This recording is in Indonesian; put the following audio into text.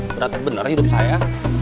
berarti bener hidup saya